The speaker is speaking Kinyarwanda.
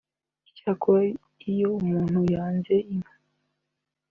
Icyakora iyo umuntu yanze inka